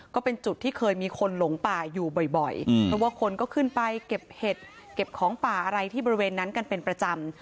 ก็เป็นจุดที่เคยมีคนหลงป่าอยู่บ่อยเพราะว่าคนก็ขึ้นไปเก็บเห็ดเก็บของป่าอะไรที่บริเวณนั้นกันเป็นประจำ